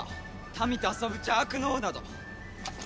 民と遊ぶ邪悪の王など。